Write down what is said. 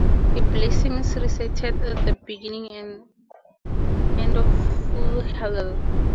A blessing is recited at the beginning and end of Full Hallel.